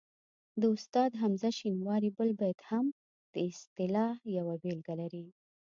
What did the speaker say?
د استاد حمزه شینواري بل بیت هم د اصطلاح یوه بېلګه لري